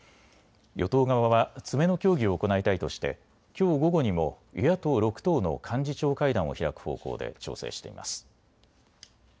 与党側は詰めの協議を行いたいとして、きょう午後にも与野党６党の幹事長会談を開く方向で調整しています。